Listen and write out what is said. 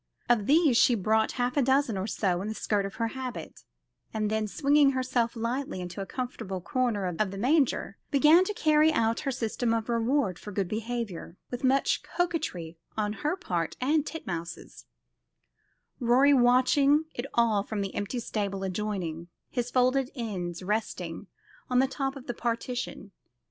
Of these she brought half a dozen or so in the skirt of her habit, and then, swinging herself lightly into a comfortable corner of the manger, began to carry out her system of reward for good conduct, with much coquetry on her part and Titmouse's, Rorie watching it all from the empty stall adjoining, his folded arms resting on the top of the partition.